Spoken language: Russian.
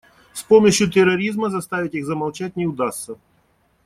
С помощью терроризма заставить их замолчать не удастся.